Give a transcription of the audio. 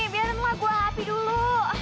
biarin lah gue hapi dulu